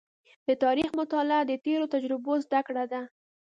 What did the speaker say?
د تاریخ مطالعه د تېرو تجربو زده کړه ده.